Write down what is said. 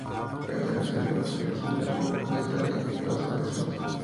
Fue internacional con la Selección de fútbol de Italia en dos ocasiones.